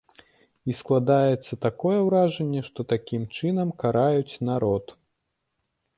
І складаецца такое ўражанне, што такім чынам караюць народ.